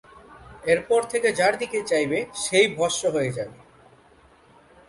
এরপর থেকে যার দিকে চাইবে, সে-ই ভস্ম হয়ে যাবে!